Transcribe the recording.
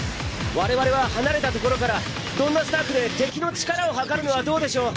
我々は離れた所からドンナスタークで敵の力を測るのはどうでしょう？